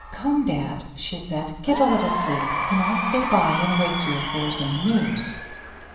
"Come, dad," she said. "Get a little sleep, and I'll stay by and wake you if there is any news."